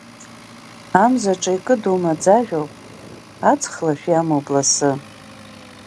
Амзаҿа икыду маӡажәоуп, аҵх лашә иамоу бласы.